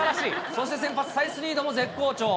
そして先発、サイスニードも絶好調。